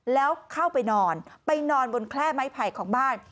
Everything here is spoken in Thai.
แล้วเข้าไปนอนไปนอนบนแคล่ไม้ไผ่ของบ้าน